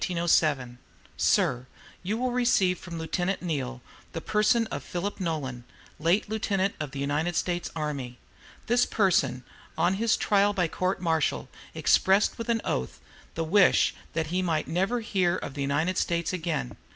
"Sir, You will receive from Lieutenant Neale the person of Philip Nolan, late a lieutenant in the United States army. "This person on his trial by court martial expressed, with an oath, the wish that he might 'never hear of the United States again.'